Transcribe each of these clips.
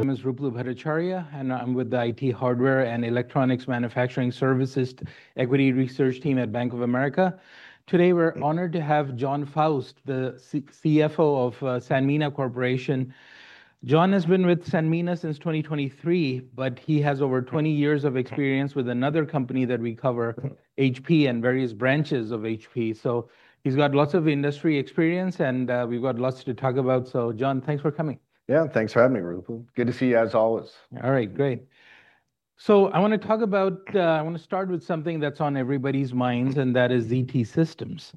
My name is Ruplu Bhattacharya, and I'm with the IT Hardware and Electronics Manufacturing Services Equity Research team at Bank of America. Today, we're honored to have Jon Faust, the CFO of Sanmina Corporation. Jon has been with Sanmina since 2023, but he has over 20 years of experience with another company that we cover, HP, and various branches of HP. He's got lots of industry experience, and we've got lots to talk about. Jon, thanks for coming. Yeah, thanks for having me, Ruplu. Good to see you, as always. I want to start with something that's on everybody's minds, and that is ZT Systems.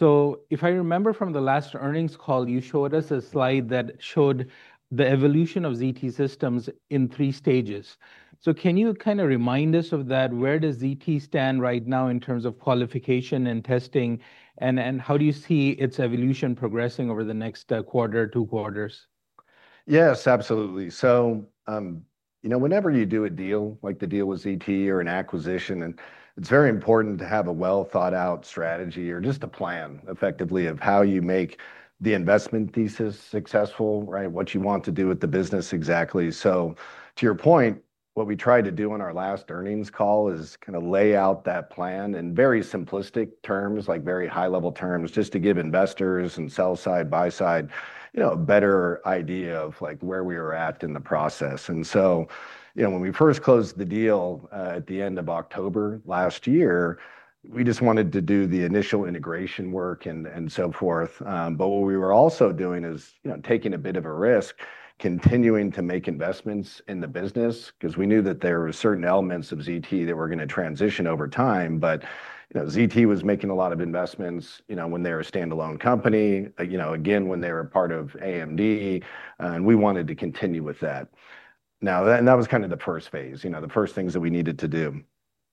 If I remember from the last earnings call, you showed us a slide that showed the evolution of ZT Systems in three stages. Can you remind us of that? Where does ZT stand right now in terms of qualification and testing, and how do you see its evolution progressing over the next quarter, two quarters? Yes, absolutely. Whenever you do a deal like the deal with ZT or an acquisition, it's very important to have a well-thought-out strategy or just a plan, effectively, of how you make the investment thesis successful, right? What you want to do with the business exactly. To your point, what we tried to do on our last earnings call is lay out that plan in very simplistic terms, very high level terms, just to give investors and sell-side, buy-side, a better idea of where we were at in the process. When we first closed the deal at the end of October last year, we just wanted to do the initial integration work and so forth. What we were also doing is taking a bit of a risk, continuing to make investments in the business, because we knew that there were certain elements of ZT that were going to transition over time. ZT was making a lot of investments when they were a standalone company, again, when they were part of AMD, and we wanted to continue with that. That was the first phase, the first things that we needed to do.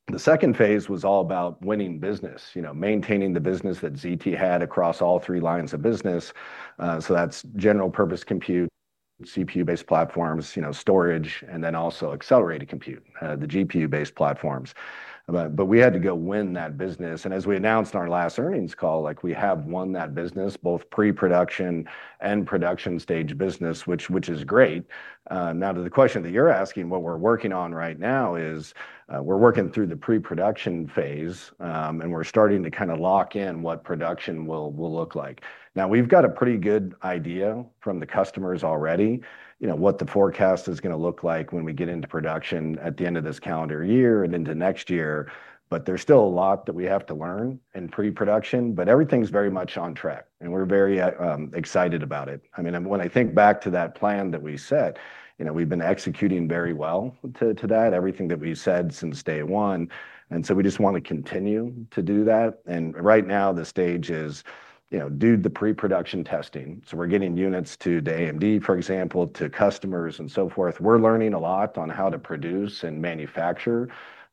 The second phase was all about winning business. Maintaining the business that ZT had across all three lines of business. That's general purpose compute, CPU-based platforms, storage, and then also accelerated compute, the GPU-based platforms. We had to go win that business. As we announced on our last earnings call, we have won that business, both pre-production and production stage business, which is great. To the question that you're asking, what we're working on right now is, we're working through the pre-production phase, and we're starting to lock in what production will look like. We've got a pretty good idea from the customers already what the forecast is going to look like when we get into production at the end of this calendar year and into next year, but there's still a lot that we have to learn in pre-production. Everything's very much on track, and we're very excited about it. When I think back to that plan that we set, we've been executing very well to that, everything that we've said since day one, we just want to continue to do that. Right now the stage is do the pre-production testing. We're getting units to AMD, for example, to customers and so forth. We're learning a lot on how to produce and manufacture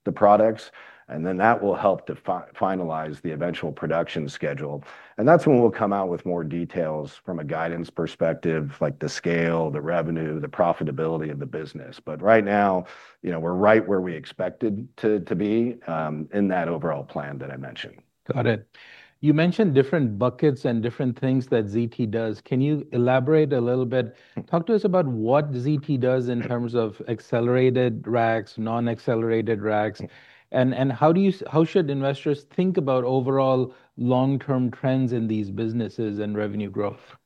the products, then that will help to finalize the eventual production schedule. That's when we'll come out with more details from a guidance perspective, like the scale, the revenue, the profitability of the business. Right now, we're right where we expected to be, in that overall plan that I mentioned. Got it. You mentioned different buckets and different things that ZT does. Can you elaborate a little bit? Talk to us about what ZT does in terms of accelerated racks, non-accelerated racks, and how should investors think about overall long-term trends in these businesses and revenue growth?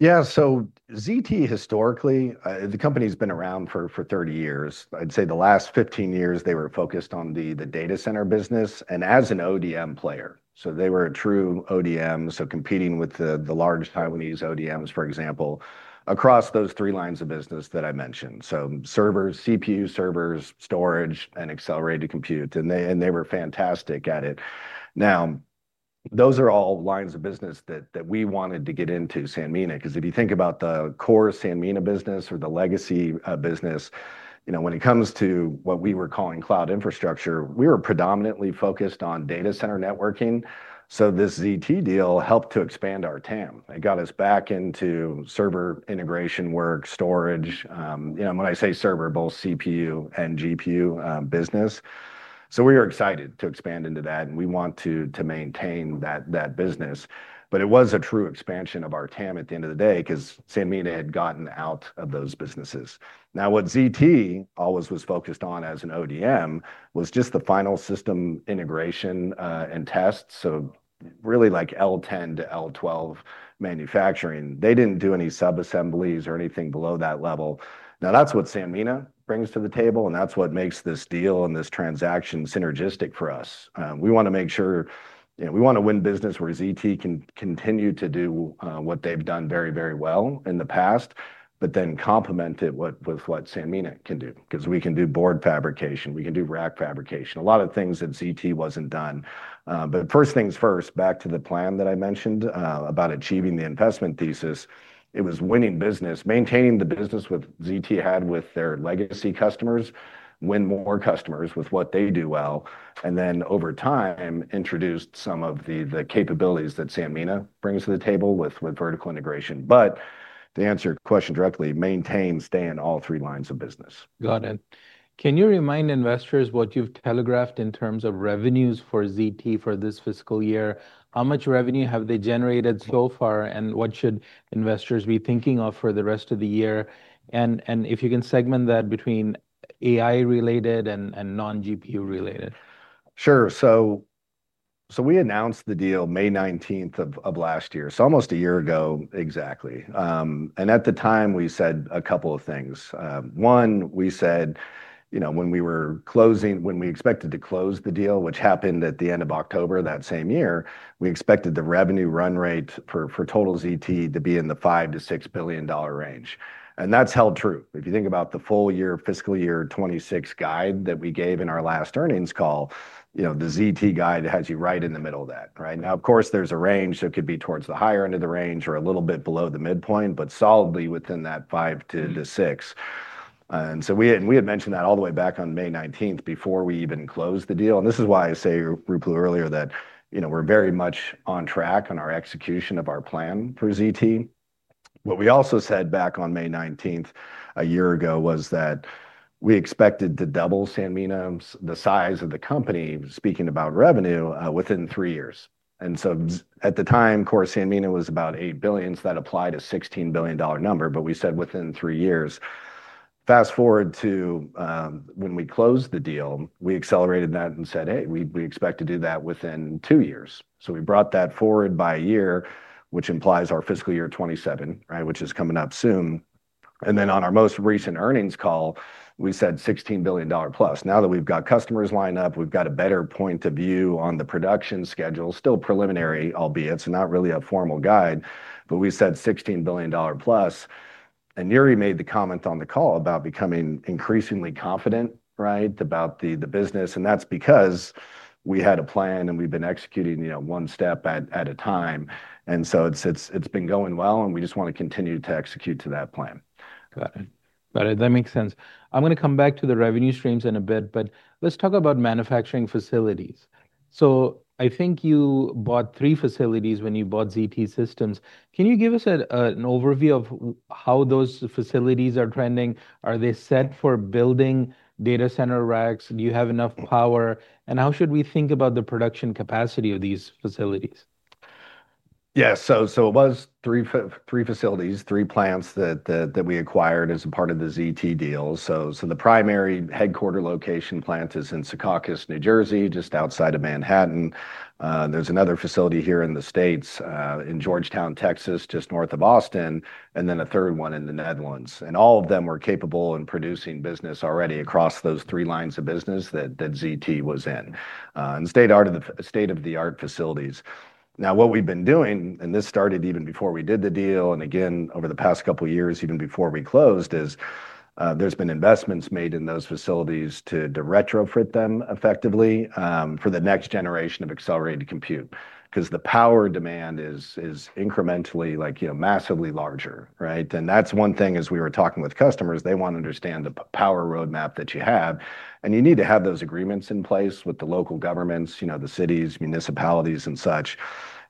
Yeah. ZT, historically, the company's been around for 30 years. I'd say the last 15 years, they were focused on the data center business and as an ODM player. They were a true ODM, competing with the large Taiwanese ODMs, for example, across those three lines of business that I mentioned. CPU servers, storage, and accelerated compute, they were fantastic at it. Now, those are all lines of business that we wanted to get into Sanmina, because if you think about the core Sanmina business or the legacy business, when it comes to what we were calling cloud infrastructure, we were predominantly focused on data center networking. This ZT deal helped to expand our TAM. It got us back into server integration work, storage. When I say server, both CPU and GPU business. We are excited to expand into that, and we want to maintain that business. It was a true expansion of our TAM at the end of the day because Sanmina had gotten out of those businesses. What ZT always was focused on as an ODM was just the final system integration and test. Really like L10 to L12 manufacturing. They didn't do any sub-assemblies or anything below that level. That's what Sanmina brings to the table, and that's what makes this deal and this transaction synergistic for us. We want to win business where ZT can continue to do what they've done very well in the past, but then complement it with what Sanmina can do. We can do board fabrication, we can do rack fabrication, a lot of things that ZT wasn't doing. First things first, back to the plan that I mentioned about achieving the investment thesis. It was winning business, maintaining the business ZT had with their legacy customers, win more customers with what they do well, and then over time, introduced some of the capabilities that Sanmina brings to the table with vertical integration. To answer your question directly, maintain, stay in all three lines of business. Got it. Can you remind investors what you've telegraphed in terms of revenues for ZT for this fiscal year? How much revenue have they generated so far, and what should investors be thinking of for the rest of the year? If you can segment that between AI related and non-GPU related. Sure. We announced the deal May 19th of last year, almost a year ago exactly. At the time, we said a couple of things. One, we said when we expected to close the deal, which happened at the end of October that same year, we expected the revenue run rate for total ZT to be in the $5 billion-$6 billion range. That's held true. If you think about the full year, fiscal year 2026 guide that we gave in our last earnings call, the ZT guide has you right in the middle of that. Now, of course, there's a range, it could be towards the higher end of the range or a little bit below the midpoint, but solidly within that $5 billion-$6 billion. We had mentioned that all the way back on May 19th before we even closed the deal, and this is why I say, Ruplu, earlier that we're very much on track on our execution of our plan for ZT. What we also said back on May 19th a year ago was that we expected to double Sanmina, the size of the company, speaking about revenue, within three years. At the time, of course, Sanmina was about $8 billion, so that applied a $16 billion number, but we said within three years. Fast-forward to when we closed the deal, we accelerated that and said, "Hey, we expect to do that within two years." We brought that forward by a year, which implies our fiscal year 2027, which is coming up soon. On our most recent earnings call, we said $16 billion+. Now that we've got customers lined up, we've got a better point of view on the production schedule. Still preliminary, albeit, so not really a formal guide, but we said $16 billion+. Jure made the comment on the call about becoming increasingly confident about the business. That's because we had a plan and we've been executing one step at a time. It's been going well, and we just want to continue to execute to that plan. Got it. That makes sense. I'm going to come back to the revenue streams in a bit, but let's talk about manufacturing facilities. I think you bought three facilities when you bought ZT Systems. Can you give us an overview of how those facilities are trending? Are they set for building data center racks? Do you have enough power? How should we think about the production capacity of these facilities? Yeah. It was three facilities, three plants that we acquired as a part of the ZT deal. The primary headquarter location plant is in Secaucus, New Jersey, just outside of Manhattan. There's another facility here in the States, in Georgetown, Texas, just north of Austin, and then a third one in the Netherlands. All of them were capable in producing business already across those three lines of business that ZT was in, and state-of-the-art facilities. Now what we've been doing, and this started even before we did the deal, and again over the past couple of years, even before we closed, is there's been investments made in those facilities to retrofit them effectively, for the next generation of accelerated compute, because the power demand is incrementally massively larger. That's one thing as we were talking with customers, they want to understand the power roadmap that you have, and you need to have those agreements in place with the local governments, the cities, municipalities and such,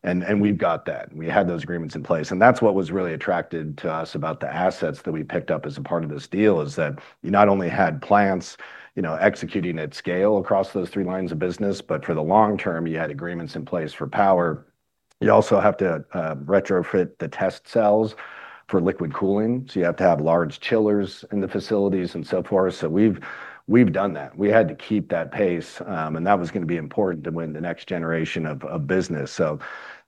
and we've got that. We had those agreements in place, and that's what was really attractive to us about the assets that we picked up as a part of this deal, is that you not only had plants executing at scale across those three lines of business, but for the long term, you had agreements in place for power. You also have to retrofit the test cells for liquid cooling, so you have to have large chillers in the facilities and so forth. We've done that. We had to keep that pace, and that was going to be important to win the next generation of business.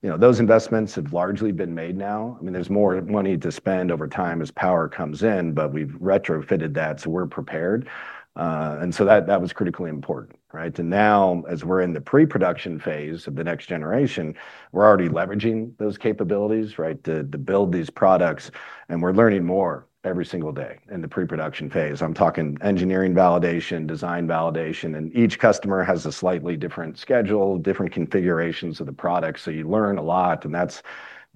Those investments have largely been made now. There's more money to spend over time as power comes in, but we've retrofitted that, so we're prepared. That was critically important. Now as we're in the pre-production phase of the next generation, we're already leveraging those capabilities to build these products, and we're learning more every single day in the pre-production phase. I'm talking engineering validation, design validation, and each customer has a slightly different schedule, different configurations of the product. You learn a lot, and that's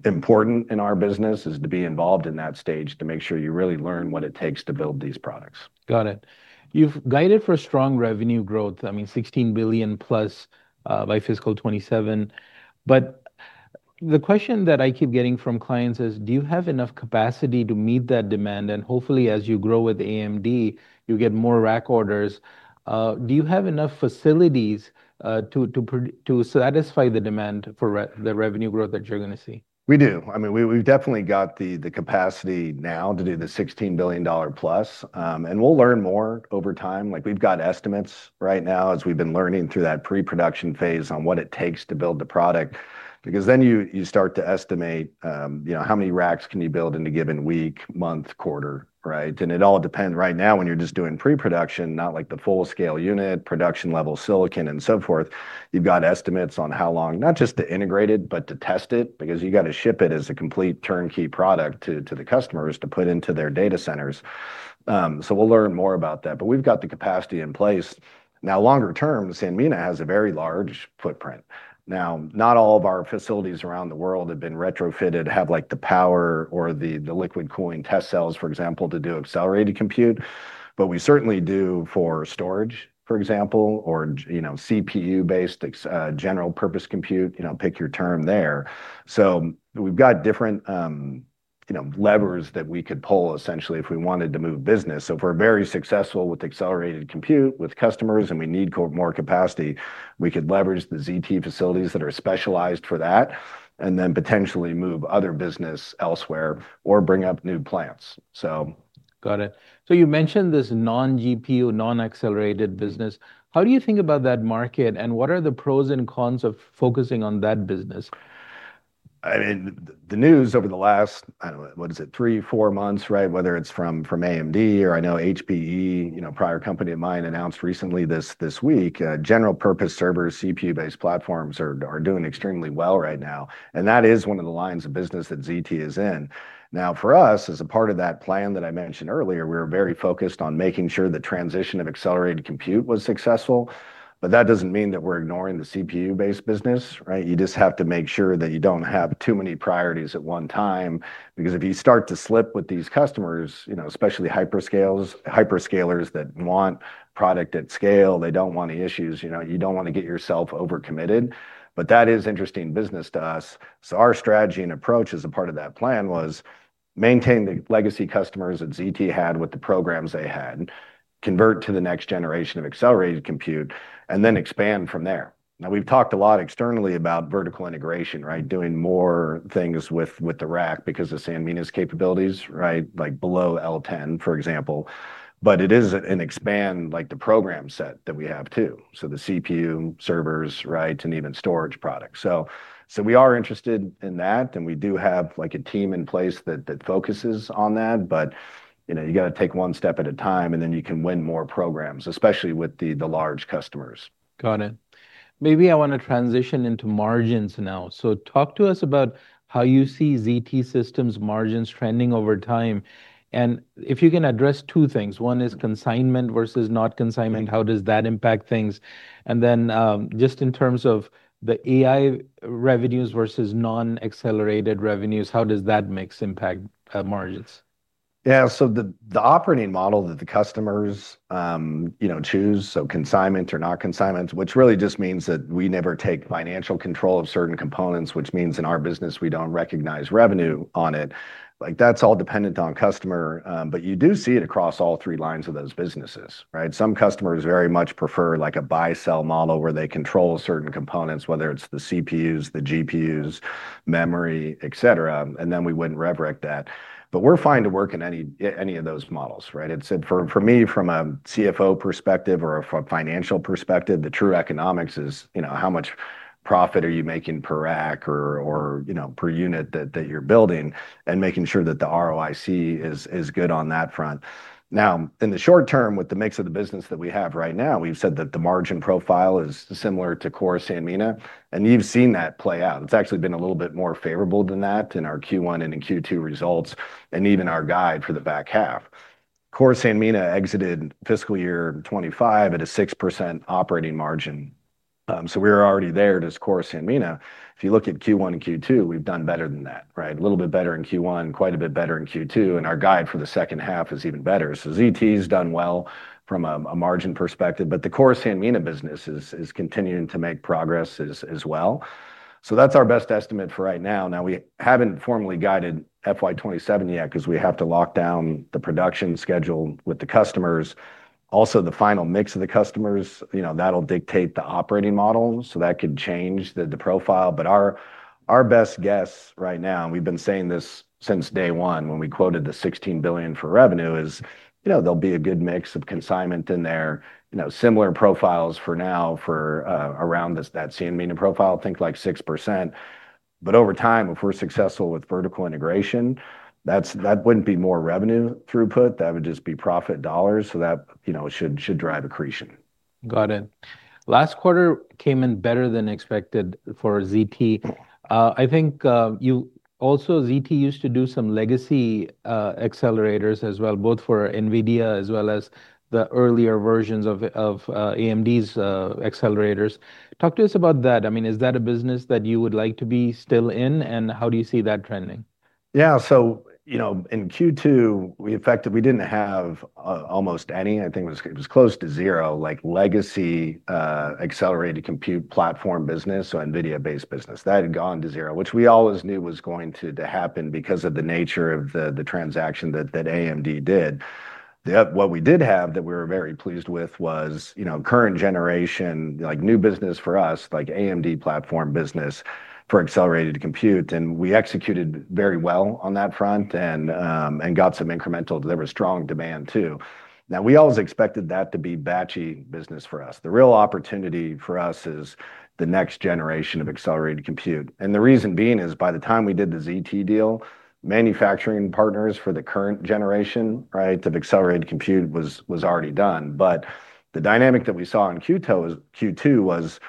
important in our business, is to be involved in that stage to make sure you really learn what it takes to build these products. Got it. You've guided for strong revenue growth, $16 billion+ by fiscal 2027. The question that I keep getting from clients is, do you have enough capacity to meet that demand? Hopefully as you grow with AMD, you get more rack orders. Do you have enough facilities to satisfy the demand for the revenue growth that you're going to see? We do. We've definitely got the capacity now to do the $16 billion+. We'll learn more over time. We've got estimates right now as we've been learning through that pre-production phase on what it takes to build the product. Because then you start to estimate how many racks can you build in a given week, month, quarter. It all depends. Right now, when you're just doing pre-production, not the full-scale unit production level silicon and so forth, you've got estimates on how long, not just to integrate it, but to test it, because you got to ship it as a complete turnkey product to the customers to put into their data centers. We'll learn more about that, but we've got the capacity in place. Now, longer term, Sanmina has a very large footprint. Now, not all of our facilities around the world have been retrofitted, have the power or the liquid cooling test cells, for example, to do accelerated compute. we certainly do for storage, for example, or CPU-based, general purpose compute, pick your term there. we've got different levers that we could pull essentially if we wanted to move business. if we're very successful with accelerated compute with customers and we need more capacity, we could leverage the ZT facilities that are specialized for that, and then potentially move other business elsewhere or bring up new plants. Got it. You mentioned this non-GPU, non-accelerated business. How do you think about that market, and what are the pros and cons of focusing on that business? The news over the last, what is it, three, four months, whether it's from AMD or I know HPE, prior company of mine, announced recently this week, general purpose servers, CPU-based platforms are doing extremely well right now, and that is one of the lines of business that ZT is in. Now, for us, as a part of that plan that I mentioned earlier, we were very focused on making sure the transition of accelerated compute was successful. That doesn't mean that we're ignoring the CPU-based business. You just have to make sure that you don't have too many priorities at one time, because if you start to slip with these customers, especially hyperscalers that want product at scale, they don't want the issues. You don't want to get yourself over-committed. That is interesting business to us. Our strategy and approach as a part of that plan was maintain the legacy customers that ZT had with the programs they had, convert to the next generation of accelerated compute, and then expand from there. Now, we've talked a lot externally about vertical integration, doing more things with the rack because of Sanmina's capabilities. Like below L10, for example. It is an expand, like the program set that we have, too. The CPU servers, and even storage products. We are interested in that, and we do have a team in place that focuses on that. You got to take one step at a time, and then you can win more programs, especially with the large customers. Got it. Maybe I want to transition into margins now. Talk to us about how you see ZT Systems margins trending over time, and if you can address two things. One is consignment versus not consignment. How does that impact things? Just in terms of the AI revenues versus non-accelerated revenues, how does that mix impact margins? Yeah. The operating model that the customers choose, so consignment or not consignment, which really just means that we never take financial control of certain components, which means in our business, we don't recognize revenue on it. Like that's all dependent on customer. You do see it across all three lines of those businesses. Some customers very much prefer like a buy-sell model where they control certain components, whether it's the CPUs, the GPUs, memory, et cetera, and then we wouldn't rev rec that. We're fine to work in any of those models. For me, from a CFO perspective or a financial perspective, the true economics is how much profit are you making per rack or per unit that you're building and making sure that the ROIC is good on that front. Now, in the short term, with the mix of the business that we have right now, we've said that the margin profile is similar to core Sanmina, and you've seen that play out. It's actually been a little bit more favorable than that in our Q1 and in Q2 results and even our guide for the back half. Core Sanmina exited fiscal year 2025 at a 6% operating margin. We're already there as core Sanmina. If you look at Q1 and Q2, we've done better than that. A little bit better in Q1, quite a bit better in Q2, and our guide for the second half is even better. ZT's done well from a margin perspective, but the core Sanmina business is continuing to make progress as well. That's our best estimate for right now. Now, we haven't formally guided FY 2027 yet because we have to lock down the production schedule with the customers. Also, the final mix of the customers, that'll dictate the operating model, so that could change the profile. Our best guess right now, and we've been saying this since day one when we quoted the $16 billion for revenue is, there'll be a good mix of consignment in there, similar profiles for now for around that Sanmina profile, think like 6%. Over time, if we're successful with vertical integration, that wouldn't be more revenue throughput, that would just be profit dollars, so that should drive accretion. Got it. Last quarter came in better than expected for ZT. I think also ZT used to do some legacy accelerators as well, both for NVIDIA as well as the earlier versions of AMD's accelerators. Talk to us about that. Is that a business that you would like to be still in, and how do you see that trending? Yeah. in Q2, we didn't have almost any, I think it was close to zero, like legacy accelerated compute platform business, so NVIDIA-based business. That had gone to zero, which we always knew was going to happen because of the nature of the transaction that AMD did. What we did have that we were very pleased with was current generation, new business for us, like AMD platform business for accelerated compute, and we executed very well on that front and got some incremental. There was strong demand, too. Now, we always expected that to be batchy business for us. The real opportunity for us is the next generation of accelerated compute. the reason being is by the time we did the ZT deal, manufacturing partners for the current generation of accelerated compute was already done. The dynamic that we saw in Q2 was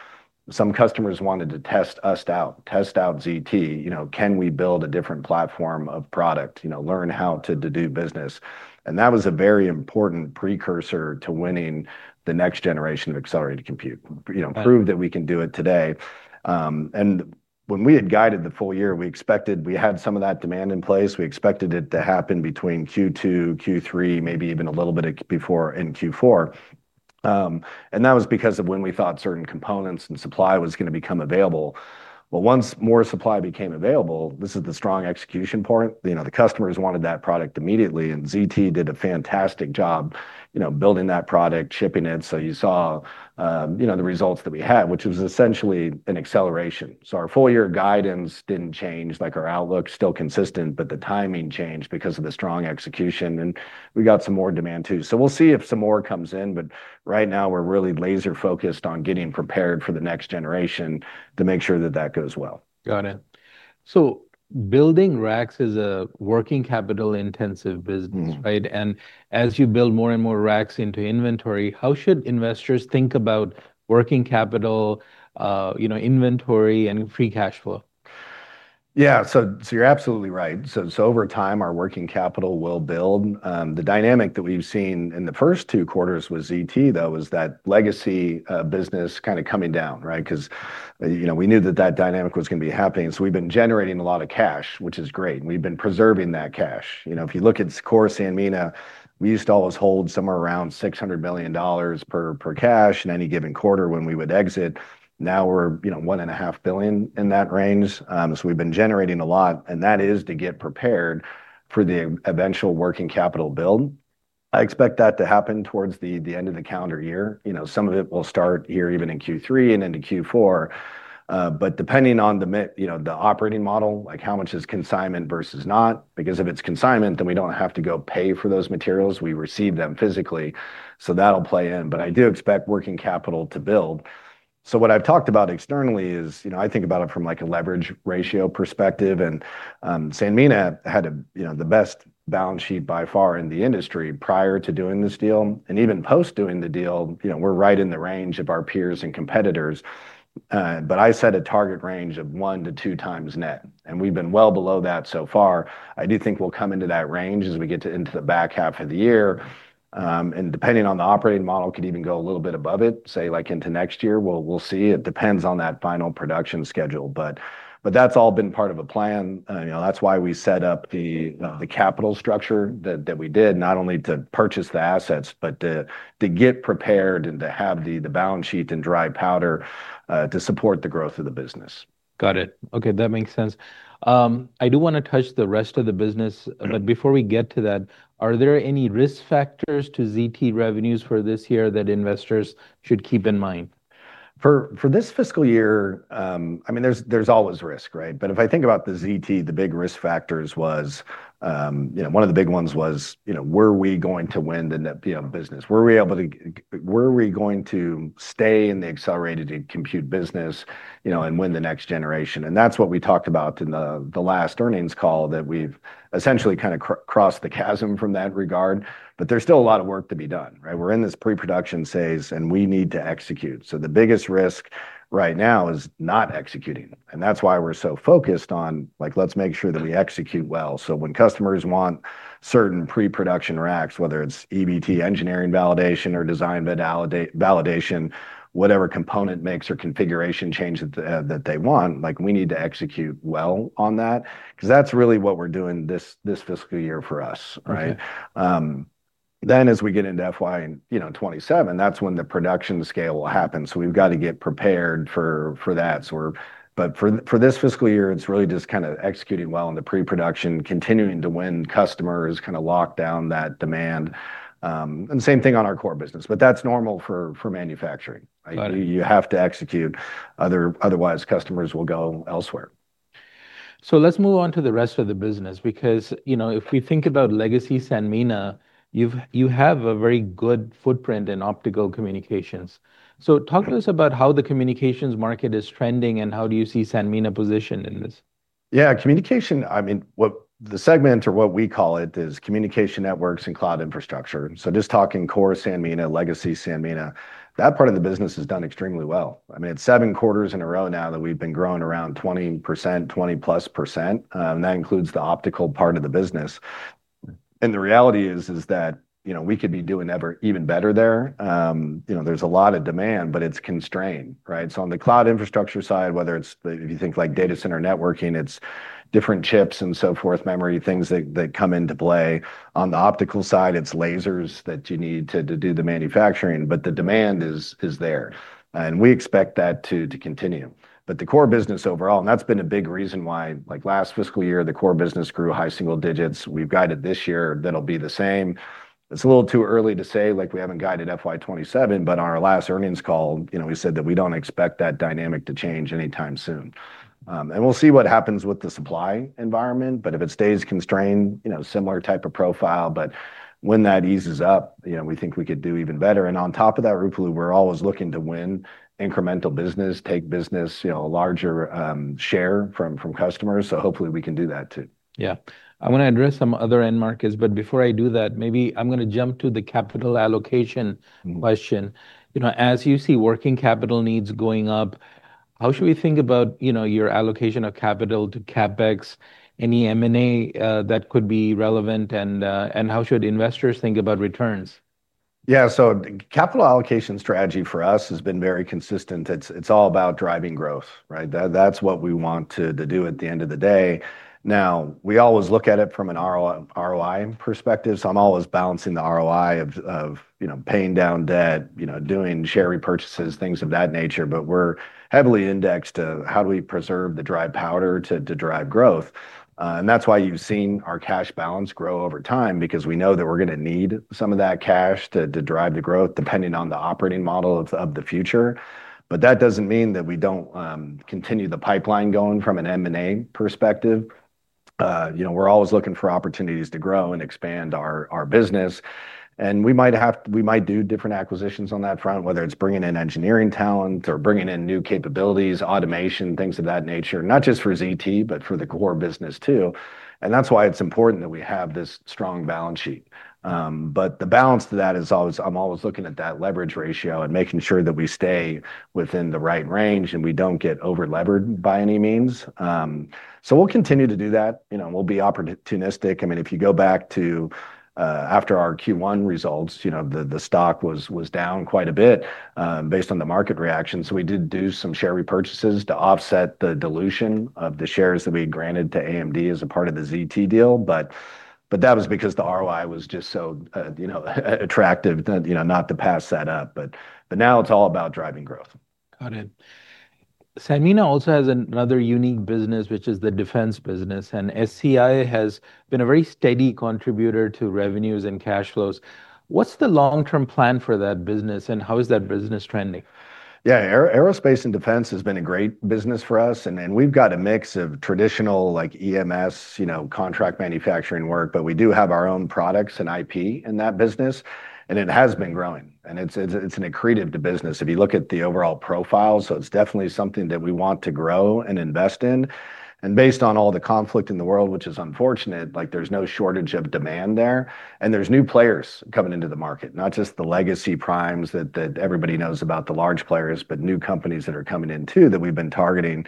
some customers wanted to test us out, test out ZT. Can we build a different platform of product? Learn how to do business. That was a very important precursor to winning the next generation of accelerated compute. Prove that we can do it today. When we had guided the full year, we had some of that demand in place. We expected it to happen between Q2, Q3, maybe even a little bit before in Q4. That was because of when we thought certain components and supply was going to become available. Once more supply became available, this is the strong execution point. The customers wanted that product immediately, and ZT did a fantastic job building that product, shipping it. You saw the results that we had, which was essentially an acceleration. Our full-year guidance didn't change. Our outlook's still consistent, but the timing changed because of the strong execution, and we got some more demand, too. We'll see if some more comes in, but right now we're really laser-focused on getting prepared for the next generation to make sure that that goes well. Got it. Building racks is a working capital-intensive business, right? As you build more and more racks into inventory, how should investors think about working capital, inventory and free cash flow? Yeah. You're absolutely right. Over time, our working capital will build. The dynamic that we've seen in the first two quarters with ZT, though, is that legacy business kind of coming down, right? Because we knew that dynamic was going to be happening, so we've been generating a lot of cash, which is great, and we've been preserving that cash. If you look at core Sanmina, we used to always hold somewhere around $600 million per cash in any given quarter when we would exit. Now we're $1.5 billion, in that range. We've been generating a lot, and that is to get prepared for the eventual working capital build. I expect that to happen towards the end of the calendar year. Some of it will start here, even in Q3 and into Q4. depending on the operating model, like how much is consignment versus not, because if it's consignment, then we don't have to go pay for those materials. We receive them physically, so that'll play in. I do expect working capital to build. what I've talked about externally is I think about it from a leverage ratio perspective, and Sanmina had the best balance sheet by far in the industry prior to doing this deal. even post doing the deal, we're right in the range of our peers and competitors. I set a target range of 1-2x net, and we've been well below that so far. I do think we'll come into that range as we get into the back half of the year. depending on the operating model, could even go a little bit above it, say into next year. We'll see. It depends on that final production schedule. that's all been part of a plan. That's why we set up the capital structure that we did, not only to purchase the assets, but to get prepared and to have the balance sheet and dry powder to support the growth of the business. Got it. Okay. That makes sense. I do want to touch the rest of the business, but before we get to that, are there any risk factors to ZT revenues for this year that investors should keep in mind? For this fiscal year, there's always risk, right? If I think about the ZT, the big risk factors, one of the big ones was were we going to win the business? Were we going to stay in the accelerated compute business, and win the next generation? That's what we talked about in the last earnings call, that we've essentially kind of crossed the chasm from that regard. There's still a lot of work to be done, right? We're in this pre-production phase, and we need to execute. The biggest risk right now is not executing, and that's why we're so focused on let's make sure that we execute well. When customers want certain pre-production racks, whether it's EVT engineering validation or design validation, whatever component makes or configuration change that they want, we need to execute well on that, because that's really what we're doing this fiscal year for us, right? Okay. As we get into FY 2027, that's when the production scale will happen. We've got to get prepared for that. For this fiscal year, it's really just kind of executing well into pre-production, continuing to win customers, kind of lock down that demand. Same thing on our core business. That's normal for manufacturing. Got it. You have to execute. Otherwise, customers will go elsewhere. Let's move on to the rest of the business, because if we think about legacy Sanmina, you have a very good footprint in optical communications. talk to us about how the communications market is trending, and how do you see Sanmina positioned in this? Yeah. The segment, or what we call it, is communication networks and cloud infrastructure. Just talking core Sanmina, legacy Sanmina, that part of the business has done extremely well. It's seven quarters in a row now that we've been growing around 20%, 20%+, and that includes the optical part of the business. The reality is that we could be doing even better there. There's a lot of demand, but it's constrained, right? On the cloud infrastructure side, whether if you think data center networking, it's different chips and so forth, memory, things that come into play. On the optical side, it's lasers that you need to do the manufacturing. The demand is there, and we expect that to continue. The core business overall, and that's been a big reason why last fiscal year, the core business grew high single digits. We've guided this year that'll be the same. It's a little too early to say. We haven't guided FY27, but on our last earnings call, we said that we don't expect that dynamic to change anytime soon. We'll see what happens with the supply environment. If it stays constrained, similar type of profile. When that eases up, we think we could do even better. On top of that, Ruplu, we're always looking to win incremental business, take business, a larger share from customers. Hopefully, we can do that, too. Yeah. I want to address some other end markets, but before I do that, maybe I'm going to jump to the capital allocation question. As you see working capital needs going up, how should we think about your allocation of capital to CapEx? Any M&A that could be relevant, and how should investors think about returns? Yeah. capital allocation strategy for us has been very consistent. It's all about driving growth, right? That's what we want to do at the end of the day. Now, we always look at it from an ROI perspective, so I'm always balancing the ROI of paying down debt, doing share repurchases, things of that nature. we're heavily indexed to how do we preserve the dry powder to drive growth. that's why you've seen our cash balance grow over time, because we know that we're going to need some of that cash to drive the growth, depending on the operating model of the future. that doesn't mean that we don't continue the pipeline going from an M&A perspective. We're always looking for opportunities to grow and expand our business, and we might do different acquisitions on that front, whether it's bringing in engineering talent or bringing in new capabilities, automation, things of that nature, not just for ZT, but for the core business too. That's why it's important that we have this strong balance sheet. The balance to that is I'm always looking at that leverage ratio and making sure that we stay within the right range and we don't get over-levered by any means. We'll continue to do that, and we'll be opportunistic. If you go back to after our Q1 results, the stock was down quite a bit based on the market reaction. We did do some share repurchases to offset the dilution of the shares that we granted to AMD as a part of the ZT deal, but that was because the ROI was just so attractive not to pass that up. Now it's all about driving growth. Got it. Sanmina also has another unique business, which is the defense business, and SCI has been a very steady contributor to revenues and cash flows. What's the long-term plan for that business, and how is that business trending? Aerospace and defense has been a great business for us, and we've got a mix of traditional EMS contract manufacturing work, but we do have our own products and IP in that business, and it has been growing, and it's an accretive to business if you look at the overall profile. It's definitely something that we want to grow and invest in. Based on all the conflict in the world, which is unfortunate, there's no shortage of demand there. There's new players coming into the market, not just the legacy primes that everybody knows about, the large players, but new companies that are coming in too that we've been targeting.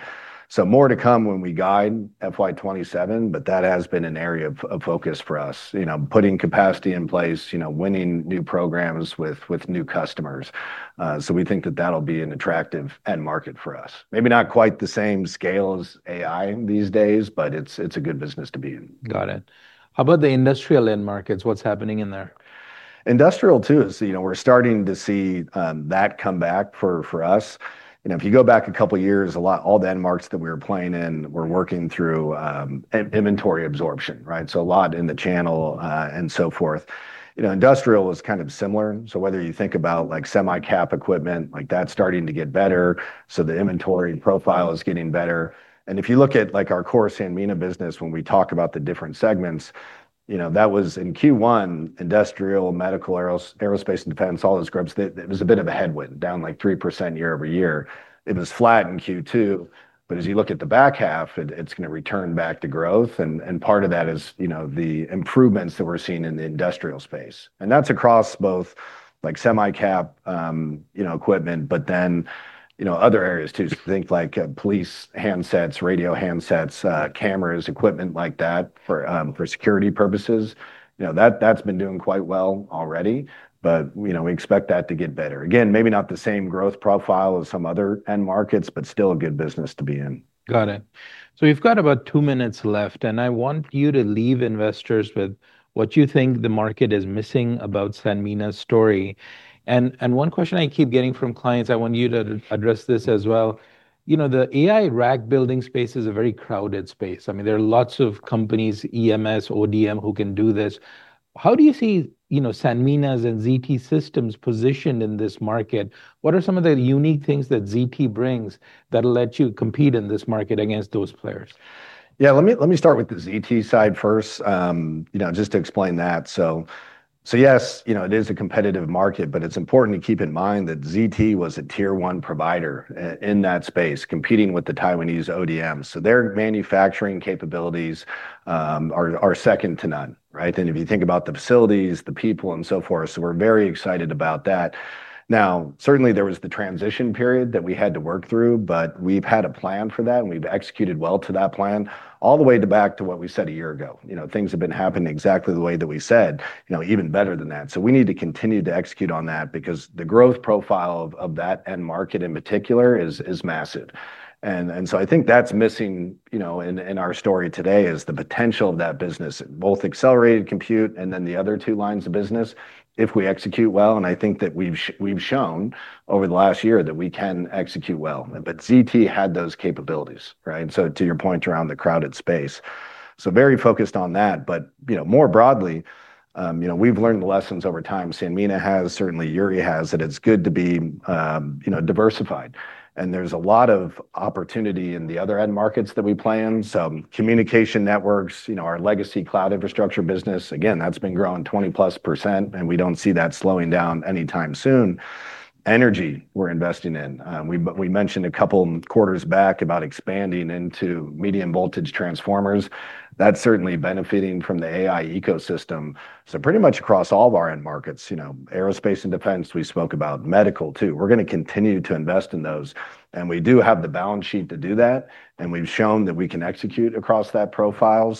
More to come when we guide FY 2027, but that has been an area of focus for us, putting capacity in place, winning new programs with new customers. We think that that'll be an attractive end market for us. Maybe not quite the same scale as AI these days, but it's a good business to be in. Got it. How about the industrial end markets? What's happening in there? We're starting to see that come back for us. If you go back a couple of years, all the end markets that we were playing in were working through inventory absorption, right? A lot in the channel, and so forth. Industrial was kind of similar. Whether you think about semi-cap equipment, that's starting to get better, so the inventory profile is getting better. If you look at our core Sanmina business, when we talk about the different segments, that was in Q1, industrial, medical, aerospace, and defense, all those groups, it was a bit of a headwind, down like 3% year-over-year. It was flat in Q2. As you look at the back half, it's going to return back to growth, and part of that is the improvements that we're seeing in the industrial space, and that's across both semi-cap equipment, but then other areas too. think like police handsets, radio handsets, cameras, equipment like that for security purposes. That's been doing quite well already, but we expect that to get better. Again, maybe not the same growth profile of some other end markets, but still a good business to be in. Got it. We've got about two minutes left, and I want you to leave investors with what you think the market is missing about Sanmina's story. One question I keep getting from clients, I want you to address this as well. The AI rack building space is a very crowded space. There are lots of companies, EMS, ODM, who can do this. How do you see Sanmina's and ZT's systems positioned in this market? What are some of the unique things that ZT brings that let you compete in this market against those players? Yeah, let me start with the ZT side first, just to explain that. Yes, it is a competitive market, but it's important to keep in mind that ZT was a Tier 1 provider in that space, competing with the Taiwanese ODM. Their manufacturing capabilities are second to none, right? If you think about the facilities, the people, and so forth, so we're very excited about that. Now, certainly, there was the transition period that we had to work through, but we've had a plan for that, and we've executed well to that plan all the way to back to what we said a year ago. Things have been happening exactly the way that we said, even better than that. We need to continue to execute on that because the growth profile of that end market, in particular, is massive. I think that's missing in our story today, is the potential of that business, both accelerated compute and then the other two lines of business. If we execute well, and I think that we've shown over the last year that we can execute well. ZT had those capabilities, right? To your point around the crowded space. Very focused on that. More broadly, we've learned the lessons over time. Sanmina has, certainly Jure has, that it's good to be diversified, and there's a lot of opportunity in the other end markets that we play in. Communication networks, our legacy cloud infrastructure business, again, that's been growing 20%+, and we don't see that slowing down anytime soon. Energy, we're investing in. We mentioned a couple quarters back about expanding into medium voltage transformers. That's certainly benefiting from the AI ecosystem. Pretty much across all of our end markets. Aerospace and defense, we spoke about. Medical too. We're going to continue to invest in those, and we do have the balance sheet to do that, and we've shown that we can execute across that profile.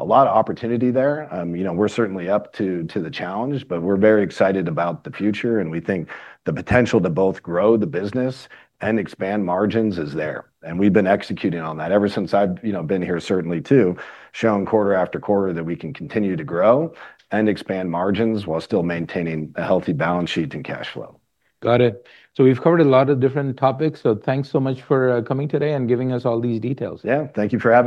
A lot of opportunity there. We're certainly up to the challenge, but we're very excited about the future, and we think the potential to both grow the business and expand margins is there. We've been executing on that ever since I've been here, certainly too, showing quarter after quarter that we can continue to grow and expand margins while still maintaining a healthy balance sheet and cash flow. Got it. We've covered a lot of different topics, so thanks so much for coming today and giving us all these details. Yeah, thank you for having me.